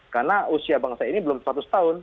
karena usia bangsa ini belum seratus tahun